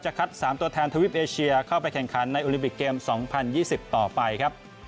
คัด๓ตัวแทนทวิปเอเชียเข้าไปแข่งขันในโอลิมปิกเกม๒๐๒๐ต่อไปครับ